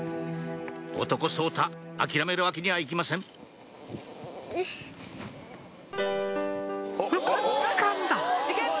男颯太諦めるわけにはいきませんつかんだ！